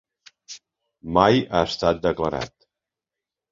Mai ha estat declarat.